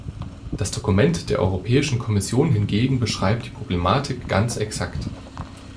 Das Dokument der Europäischen Kommission hingegen beschreibt die Problematik ganz exakt.